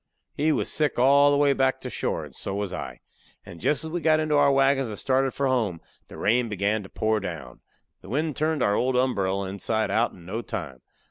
He was sick all the way back to the shore, and so was I. And jest as we got into our wagons and started for home, the rain began to pour down. The wind turned our old umberell inside out in no time.